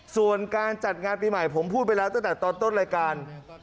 ส่วนการจัดงานปีใหม่ผมพูดไปแล้วตั้งแต่ตอนต้นรายการ